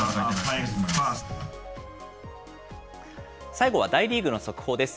最後は大リーグの速報です。